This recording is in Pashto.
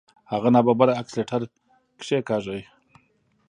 هغه ناببره اکسلېټر کېکاږه.